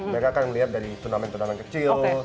mereka akan melihat dari turnamen turnamen kecil